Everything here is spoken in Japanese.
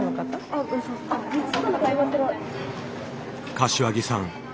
柏木さん